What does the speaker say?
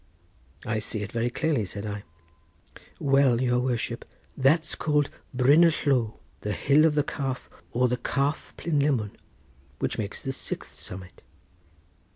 "I see it very clearly," said I. "Well, your worship, that's called Bryn y Llo—the Hill of the Calf, or the Calf Plynlimmon, which makes the sixth summit."